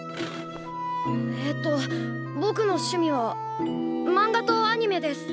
えっとぼくの趣味はマンガとアニメです。